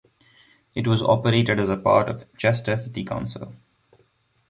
It was operated as part of Chester City Council.